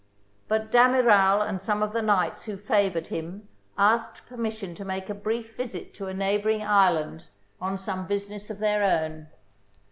But D'Amiral and some of the knights who favoured him asked permission to make a brief visit to a neighbouring island on some business of their own.